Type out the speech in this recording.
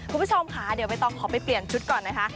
คุณผู้ชมค่ะเดี๋ยวใบตองขอไปเปลี่ยนชุดก่อนนะคะ